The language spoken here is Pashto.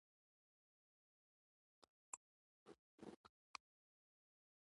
د افغانستان سیندونه د غرنیو سیمو له واورو او بارانونو څخه سرچینه اخلي.